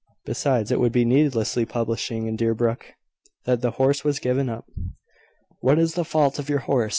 Besides, it would be needlessly publishing in Deerbrook that the horse was given up. "What is the fault of your horse?"